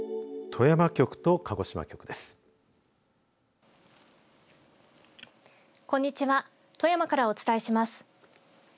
富山からお伝えします。